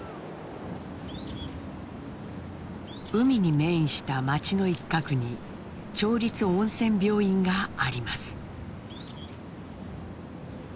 海に面した町の一角に町立温泉病院があります。